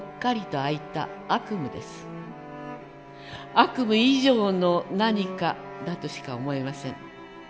悪夢以上の何かだとしか思えません。